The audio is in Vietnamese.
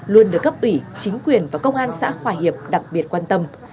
luôn được cấp ủy chính quyền và công an xã hòa hiệp đặc biệt quan tâm